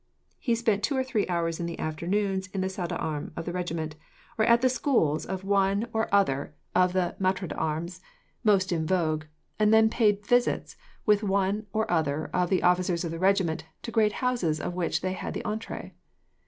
He spent two or three hours in the afternoons in the salle d'armes of the regiment, or at the schools of one or other of the maitres d'armes most in vogue, and then paid visits, with one or other of the officers of the regiment, to great houses of which they had the entree.